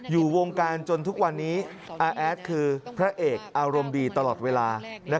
อยู่วงการจนทุกวันนี้อาแอดคือพระเอกอารมณ์ดีตลอดเวลา